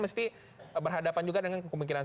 mesti berhadapan juga dengan kemungkinan